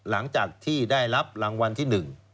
หลังจากที่ได้รับรางวัลที่๑